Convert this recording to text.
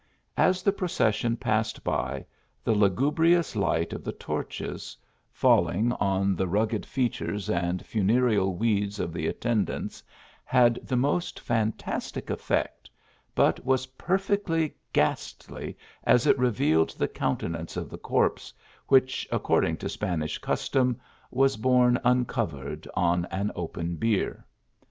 As the procession passed by, the lugubrious light of the torches, falling on the ruggfed features anJ funereal weeds of the attendants, had the most fan tastic eifect, but was perfectly ghastly as it revealed the countenance of the corpse, which, according to Spanish custom, was borne uncovered on an open bier.